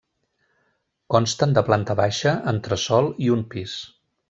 Consten de planta baixa, entresòl i un pis.